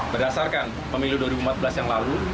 berdasarkan pemilu dua ribu empat belas yang lalu